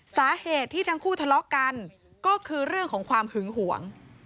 สาเหตุที่ทั้งคู่ทะเลาะกันก็คือเรื่องของความหึงหวง